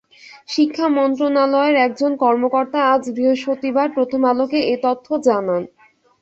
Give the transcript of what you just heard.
শিক্ষা মন্ত্রণালয়ের একজন কর্মকর্তা আজ বৃহস্পতিবার প্রথম আলোকে এ তথ্য জানান।